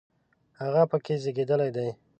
هغه په کې زیږېدلی دی.